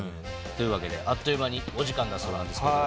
というわけであっという間にお時間だそうなんですけど。